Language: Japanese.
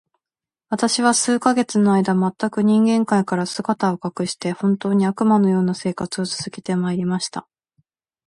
私は数ヶ月の間、全く人間界から姿を隠して、本当に、悪魔の様な生活を続けて参りました。